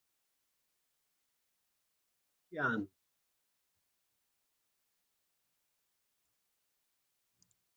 Messi ou Cristiano?